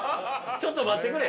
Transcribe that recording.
ちょっと待ってくれ。